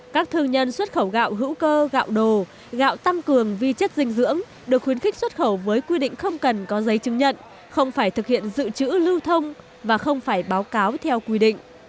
các thương nhân xuất khẩu gạo hữu cơ gạo đồ gạo tăng cường vi chất dinh dưỡng được khuyến khích xuất khẩu với quy định không cần có giấy chứng nhận không phải thực hiện dự trữ lưu thông và không phải báo cáo theo quy định